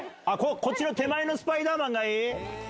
こっちの手前のスパイダーマンがいい？